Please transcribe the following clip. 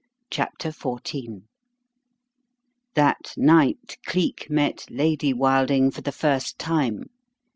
CHAPTER XIV That night Cleek met Lady Wilding for the first time.